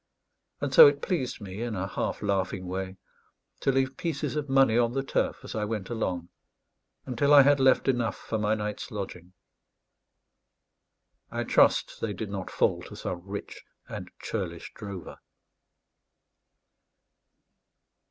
And so it pleased me, in a half laughing way, to leave pieces of money on the turf as I went along, until I had left enough for my night's lodging. I trust they did not fall to some rich and churlish drover.